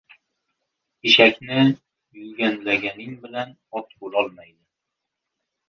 • Eshakni yuganlaganing bilan ot bo‘lolmaydi.